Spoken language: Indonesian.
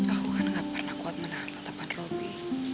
aku kan gak pernah kuat menahan tatapan robi